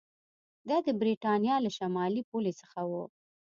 دا د برېټانیا له شمالي پولې څخه و